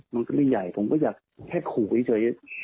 มันก็ได้ใหญ่ผมก็อยากแค่ขูเฉย